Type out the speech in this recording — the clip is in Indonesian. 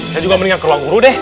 saya juga mendingan keluar guru deh